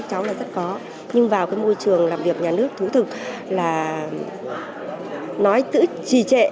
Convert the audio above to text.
cháu là rất có nhưng vào cái môi trường làm việc nhà nước thú thực là nói tự trì trệ